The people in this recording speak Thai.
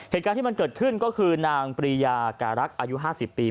เหตุการณ์ที่มันเกิดขึ้นก็คือนางปรียาการักษ์อายุ๕๐ปี